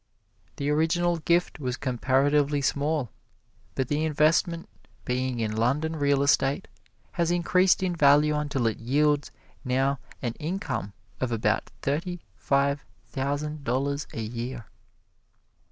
The original gift was comparatively small, but the investment being in London real estate, has increased in value until it yields now an income of about thirty five thousand dollars a year.